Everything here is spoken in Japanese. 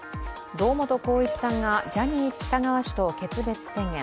堂本光一さんがジャニー喜多川氏と決別宣言。